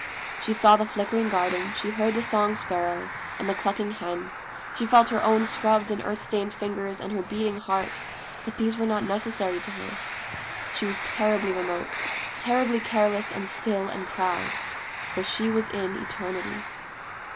She saw the flickering garden, she heard the song sparrow and the clucking hen, she felt her own scrubbed and earth stained fingers and her beating heart, but these were not necessary to her. She was terribly remote; terribly careless and still and proud; for she was in Eternity.